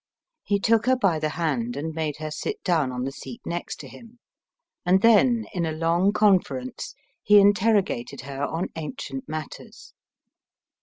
He took her by the hand and made her sit down on the seat next to him, and then, in a long conference, he interrogated her on ancient matters.